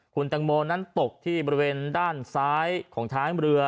คุณตังโมนั้นตกที่บริเวณด้านซ้ายของท้ายเรือ